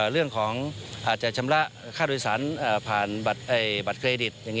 เรื่องของอาจจะชำระค่าโดยสารผ่านบัตรเครดิต